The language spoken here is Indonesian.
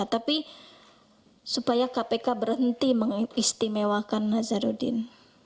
tapi supaya kpk berhenti mengistimewakan nazarudin